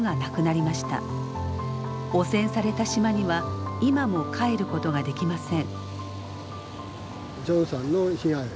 汚染された島には今も帰ることができません。